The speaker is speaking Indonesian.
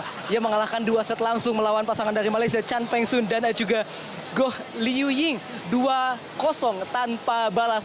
dia mengalahkan dua set langsung melawan pasangan dari malaysia chan peng sun dan juga goh liu ying dua tanpa balas